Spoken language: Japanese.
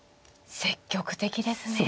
積極的ですね。